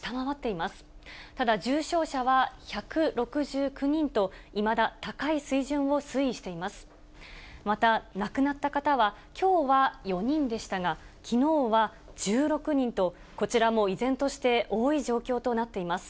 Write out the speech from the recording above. また亡くなった方は、きょうは４人でしたが、きのうは１６人と、こちらも依然として多い状況となっています。